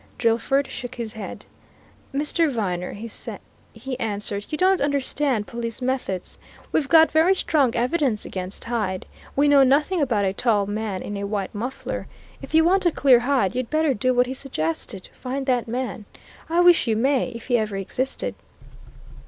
Drillford shook his head. "Mr. Viner," he answered, "you don't understand police methods. We've got very strong evidence against Hyde. We know nothing about a tall man in a white muffler. If you want to clear Hyde, you'd better do what he suggested find that man! I wish you may if he ever existed!"